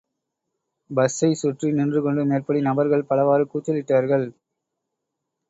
பஸ்ஸை சுற்றி நின்றுகொண்டு மேற்படி நபர்கள் பலவாறு கூச்சலிட்டார்கள்.